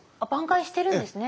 挽回してるんですね。